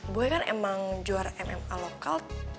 gue kan emang juara mma lokal